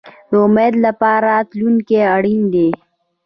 د امید لپاره راتلونکی اړین دی